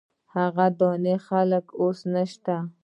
هغه درانه خلګ اوس نشته.